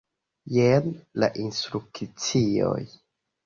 Jen la instrukcioj.